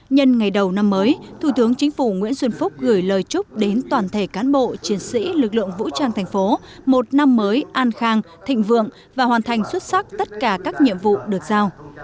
nhân ngày đầu năm mới thủ tướng chính phủ nguyễn xuân phúc gửi lời chúc đến toàn thể cán bộ chiến sĩ lực lượng vũ trang thành phố một năm mới an khang thịnh vượng và hoàn thành xuất sắc tất cả các nhiệm vụ được giao